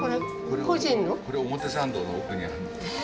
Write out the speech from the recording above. これ表参道の奥にある。